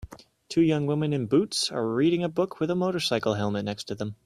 Two young woman in boots are reading a book with a motorcycle helmet next to them